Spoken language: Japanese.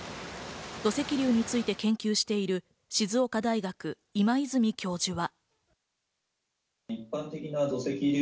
土石流について研究している静岡大学・今泉教授は。